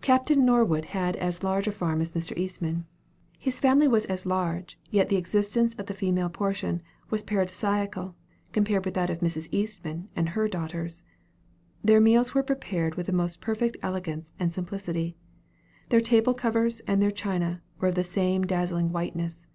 Captain Norwood had as large a farm as Mr. Eastman. His family was as large, yet the existence of the female portion was paradisiacal, compared with that of Mrs. Eastman and her daughters. Their meals were prepared with the most perfect elegance and simplicity. Their table covers and their China were of the same dazzling whiteness.